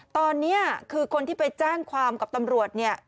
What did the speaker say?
ตอนนี้คือคนที่ไปแจ้งความกับตำรวจเนี่ย